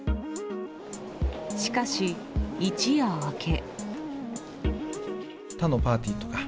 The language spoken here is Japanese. しかし、一夜明け。